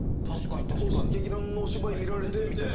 劇団のお芝居見られてみたいな。